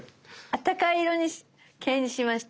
あったかい色系にしました。